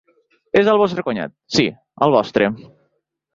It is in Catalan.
És el vostre cunyat, sí, el vostre.